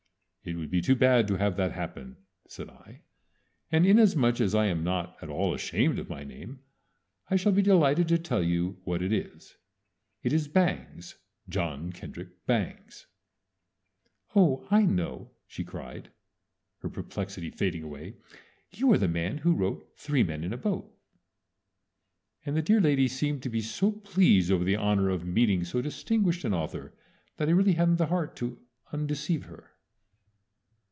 "It would be too bad to have that happen," said I, "and inasmuch as I am not at all ashamed of my name I shall be delighted to tell you what it is. It is Bangs John Kendrick Bangs." "Oh I know," she cried, her perplexity fading away, "You are the man who wrote 'Three Men in a Boat.'" And the dear lady seemed to be so pleased over the honor of meeting so distinguished an author that I really hadn't the heart to undeceive her.